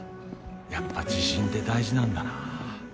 やっぱ自信って大事なんだなぁ。